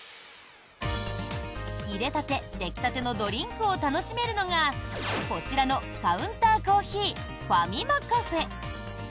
入れたて、出来たてのドリンクを楽しめるのがこちらのカウンターコーヒーファミマカフェ。